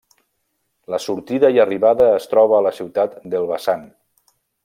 La sortida i arribada es troba a la ciutat d'Elbasan.